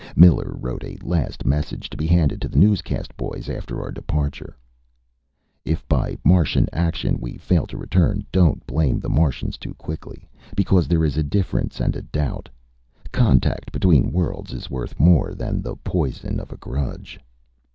Miller wrote a last message, to be handed to the newscast boys after our departure: "_If by Martian action, we fail to return, don't blame the Martians too quickly, because there is a difference and a doubt. Contact between worlds is worth more than the poison of a grudge....